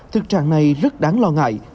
thực trạng này rất đáng lo ngại